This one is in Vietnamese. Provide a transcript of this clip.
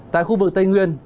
tại khu vực tây nguyên